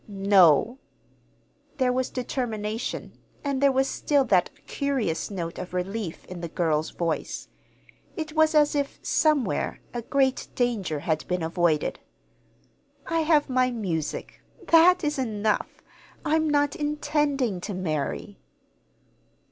"No." There was determination, and there was still that curious note of relief in the girl's voice. It was as if, somewhere, a great danger had been avoided. "I have my music. That is enough. I'm not intending to marry."